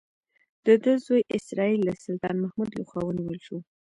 د ده زوی اسراییل د سلطان محمود لخوا ونیول شو.